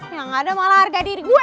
ya gak ada malah harga diri gue